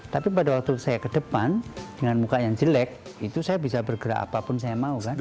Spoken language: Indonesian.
tapi pada waktu saya ke depan dengan muka yang jelek itu saya bisa bergerak apapun saya mau kan